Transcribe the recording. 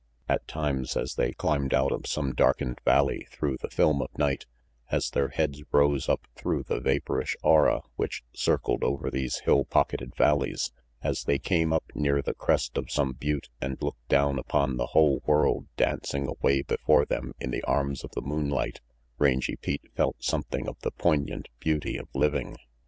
At times, as they climbed out of some darkened valley through the film of night, as their heads rose up through the vaporish aura which circled over these hill pocketed valleys, as they came up near the crest of some butte and looked down upon the whole world dancing away before them in the arms of the moonlight, Rangy Pete felt something of the poignant beauty of living.